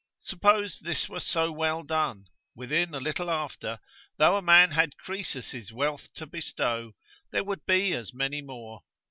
Suppose this were so well done, within a little after, though a man had Croesus' wealth to bestow, there would be as many more.